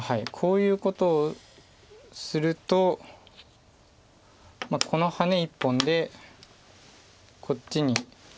こういうことをするとこのハネ１本でこっちに。